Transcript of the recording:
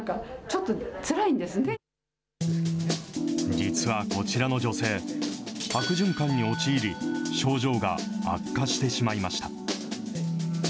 実はこちらの女性、悪循環に陥り、症状が悪化してしまいました。